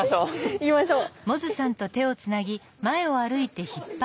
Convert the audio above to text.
行きましょう。